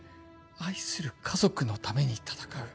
愛する家族のために戦う。